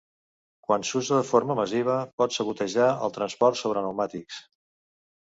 Quan s'usa de forma massiva pot sabotejar el transport sobre pneumàtics.